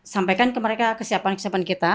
sampaikan ke mereka kesiapan kesiapan kita